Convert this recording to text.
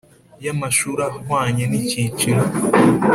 y amashuri ahwanye n icyiciro